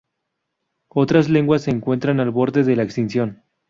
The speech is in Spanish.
Otras lenguas se encuentran al borde de la extinción.